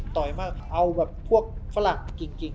ต่อยมากเอาแบบพวกฝรั่งกิ่ง